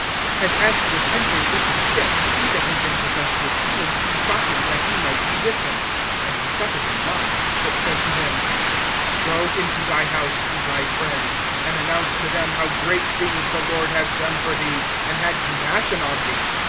(18)And as he was entering into the ship, he that had been possessed with demons besought him that he might be with him. (19)And he suffered him not; but says to him: Go into thy house, to thy friends, and announce to them how great things the Lord has done for thee, and had compassion on thee.